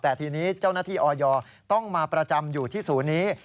แต่ทีนี้เจ้าหน้าที่ออยต้องมาประจำอยู่ที่ศูนย์นี้